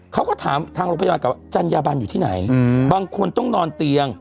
เขาก็ถามทางโรงพยาบาลกับว่าจัญญาบันอยู่ที่ไหนบางคนต้องนอนเตียง